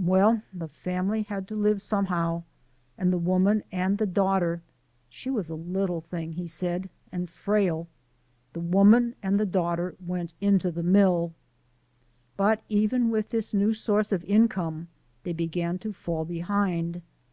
Well, the family had to live somehow, and the woman and the daughter "she was a little thing," he said, "and frail" the woman and the daughter went into the mill. But even with this new source of income they began to fall behind.